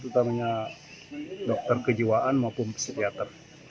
utamanya dokter kejiwaan maupun psikiater